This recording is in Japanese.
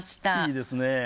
いいですねえ。